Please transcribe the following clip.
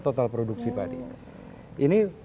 total produksi padi ini